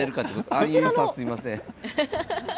あんゆいさんすいません。